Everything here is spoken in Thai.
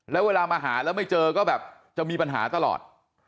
แล้วเวลามาหาแล้วไม่เจอก็แบบจะมีปัญหาตลอด